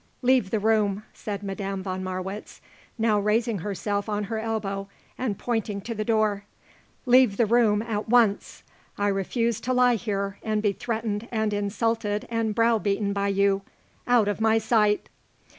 "Leave the room," said Madame von Marwitz, now raising herself on her elbow and pointing to the door. "Leave the room at once. I refuse to lie here and be threatened and insulted and brow beaten by you. Out of my sight."